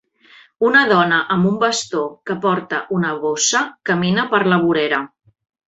Una dona amb un bastó que porta una bossa camina per la vorera